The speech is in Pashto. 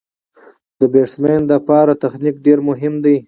د بېټسمېن له پاره تخنیک ډېر مهم دئ.